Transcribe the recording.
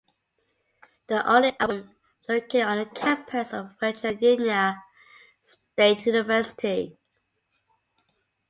The only arboretum located on the campus of a Virginia state university.